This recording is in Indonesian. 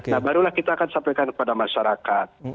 nah barulah kita akan sampaikan kepada masyarakat